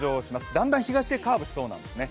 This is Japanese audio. だんだん東へカーブしそうなんですね。